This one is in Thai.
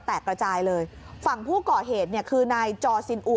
กระจายเลยฝั่งผู้ก่อเหตุเนี่ยคือนายจอซินอัว